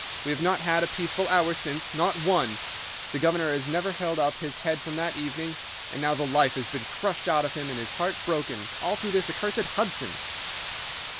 We have not had a peaceful hour since—not one. The governor has never held up his head from that evening, and now the life has been crushed out of him and his heart broken, all through this accursed Hudson.